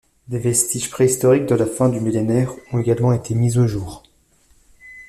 Des vestiges préhistoriques de la fin du millénaire ont également été mis au jour.